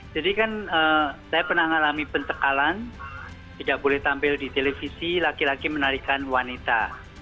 jadi kan saya pernah mengalami pentekalan tidak boleh tampil di televisi laki laki menarikan wanita